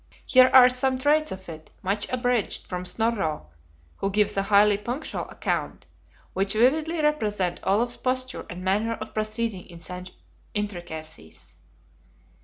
Here are some traits of it, much abridged from Snorro (who gives a highly punctual account), which vividly represent Olaf's posture and manner of proceeding in such intricacies.